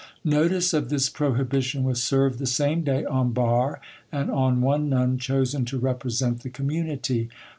Notice of this prohibition was served the same day on Barre and on one nun chosen to represent the community.